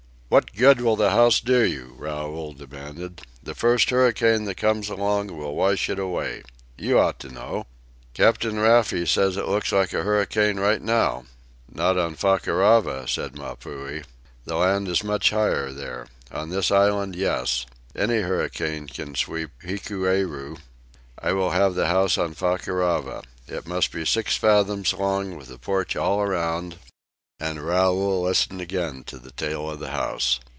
"What good will the house do you?" Raoul demanded. "The first hurricane that comes along will wash it away. You ought to know." "Captain Raffy says it looks like a hurricane right now." "Not on Fakarava," said Mapuhi. "The land is much higher there. On this island, yes. Any hurricane can sweep Hikueru. I will have the house on Fakarava. It must be six fathoms long with a porch all around " And Raoul listened again to the tale of the house.